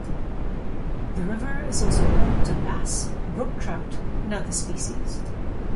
The river is also home to bass, brook trout, and other species.